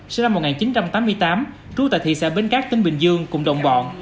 sinh năm một nghìn chín trăm tám mươi tám trú tại thị xã bến cát tỉnh bình dương cùng đồng bọn